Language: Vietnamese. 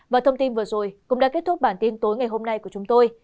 và thông tin vừa rồi cũng đã kết thúc bản tin tối ngày hôm nay của chúng tôi